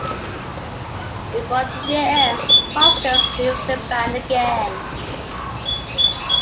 Before the year ends, Kostas leaves the band again.